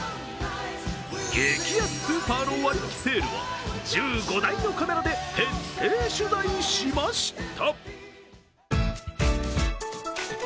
激安スーパーの割引セールを１５台のカメラで徹底取材しました。